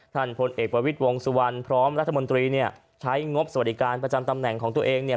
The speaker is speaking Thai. พลเอกประวิทย์วงสุวรรณพร้อมรัฐมนตรีเนี่ยใช้งบสวัสดิการประจำตำแหน่งของตัวเองเนี่ย